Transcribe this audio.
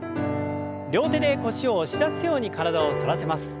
両手で腰を押し出すように体を反らせます。